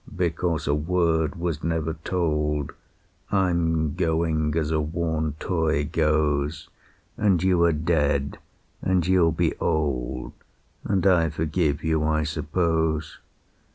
"Because a word was never told, I'm going as a worn toy goes. And you are dead; and you'll be old; And I forgive you, I suppose.